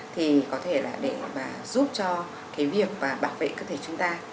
thì có thể là để và giúp cho cái việc và bảo vệ cơ thể chúng ta